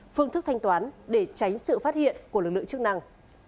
phương thức thanh toán để tránh sự phát hiện của lực lượng chức năng